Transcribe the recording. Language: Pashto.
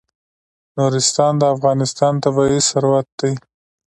نورستان د افغانستان طبعي ثروت دی.